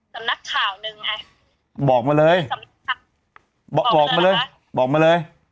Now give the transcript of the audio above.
สำนักข่าวหนึ่งไอ้บอกมาเลยบอกมาเลยบอกมาเลย